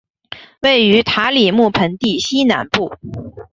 位于塔里木盆地西南部。